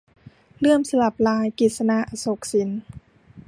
เลื่อมสลับลาย - กฤษณา อโศกสิน